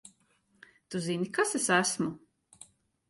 Tu zini, kas es esmu?